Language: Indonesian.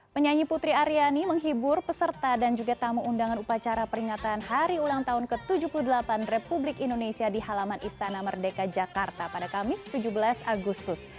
penyanyi putri aryani menghibur peserta dan juga tamu undangan upacara peringatan hari ulang tahun ke tujuh puluh delapan republik indonesia di halaman istana merdeka jakarta pada kamis tujuh belas agustus